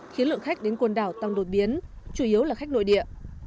khiến lượng khách đến con đảo tăng đột biến chủ yếu là khách nội địa